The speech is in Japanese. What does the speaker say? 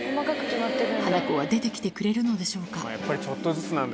ハナコは出てきてくれるのでしょうか。